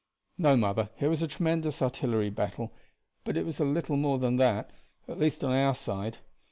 "No, mother; it was a tremendous artillery battle, but it was a little more than that at least on our side.